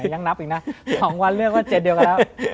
ยังนับอีกนะ๒วันเลือกก็๗เดียวกันแล้ว